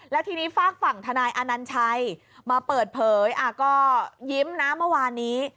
แล้วทีนี้ฝากฝั่งทนายอนัญชัยมาเปิดเผยก็ยิ้มนะเมื่อวานนี้